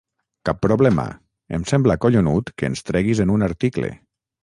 Cap problema, em sembla collonut que ens treguis en un article!